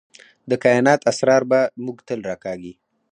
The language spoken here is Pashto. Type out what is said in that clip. د کائنات اسرار به موږ تل راکاږي.